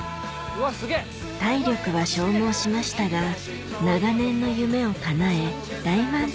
体力は消耗しましたが長年の夢をかなえ大満足